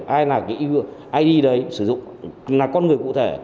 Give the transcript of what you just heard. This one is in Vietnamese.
ai là cái id đấy sử dụng là con người cụ thể